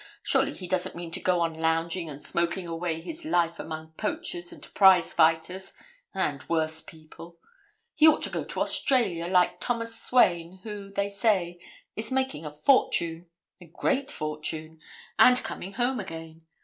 Surely he doesn't mean to go on lounging and smoking away his life among poachers, and prize fighters, and worse people. He ought to go to Australia, like Thomas Swain, who, they say, is making a fortune a great fortune and coming home again.